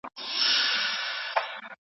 که جنازې ته لاړ شو نو مرګ نه هیریږي.